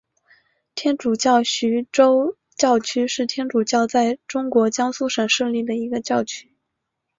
天主教徐州教区是天主教在中国江苏省设立的一个教区。